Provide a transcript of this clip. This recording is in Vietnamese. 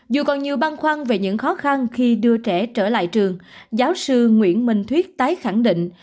dù còn nhiều băn khoăn về những khó khăn khi đưa trẻ trở lại trường giáo sư nguyễn minh thuyết tái khẳng định